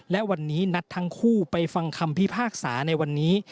และวันนี้นัดทั้งคู่ไปฟังคำพิพากษาในวันนี้